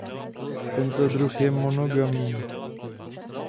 Tento druh je monogamní.